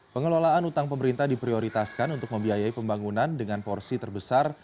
pengelolaan utang pemerintah diprioritaskan untuk membiayai pembangunan dengan porsi terbesar